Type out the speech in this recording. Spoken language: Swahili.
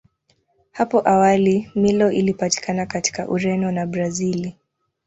Hapo awali Milo ilipatikana katika Ureno na Brazili.